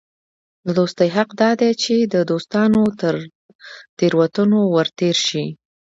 د دوستي حق دا دئ، چي د دوستانو تر تېروتنو ور تېر سې.